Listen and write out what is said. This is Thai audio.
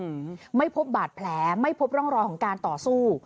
อืมไม่พบบาดแผลไม่พบร่องรอยของการต่อสู้